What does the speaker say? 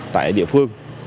tại địa phương